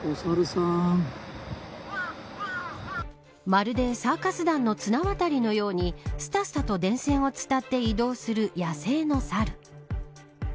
まるでサーカス団の綱渡りのようにすたすたと電線を伝って移動する野生のサル。